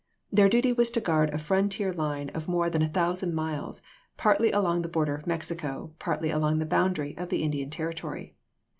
Their duty was to guard a fron ^|''p^'''^y^J tier line of more than a thousand miles, partly i. p 524. along the border of Mexico, partly along the boundary of the Indian Territory.